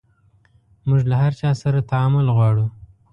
موژ له هر چا سره تعامل غواړو